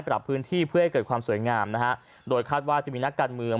ปรับพื้นที่เพื่อให้เกิดความสวยงามนะฮะโดยคาดว่าจะมีนักการเมือง